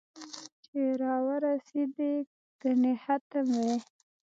چې را ورېسېدې ګنې ختم وې